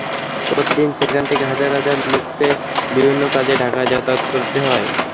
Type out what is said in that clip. প্রতিদিন সেখান থেকে হাজার হাজার লোককে বিভিন্ন কাজে ঢাকায় যাতায়াত করতে হয়।